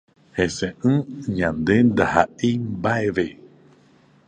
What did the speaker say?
Heseʼỹ ñande ndahaʼéi mbaʼeve.